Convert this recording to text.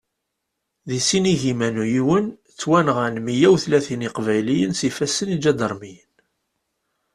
Di sin igiman u yiwen ttwanɣan meyya utlatin iqbayliyen s ifassen iǧadarmiyen.